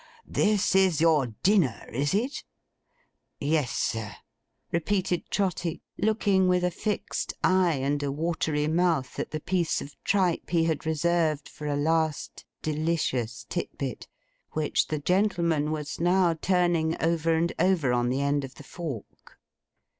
This is your dinner, is it?' 'Yes, sir,' repeated Trotty, looking with a fixed eye and a watery mouth, at the piece of tripe he had reserved for a last delicious tit bit; which the gentleman was now turning over and over on the end of the fork.